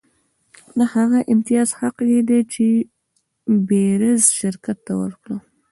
د هغه د امتیاز حق یې ډي بیرز شرکت ته ورکړ.